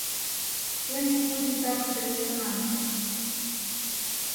Эн кугу титакше мемнан.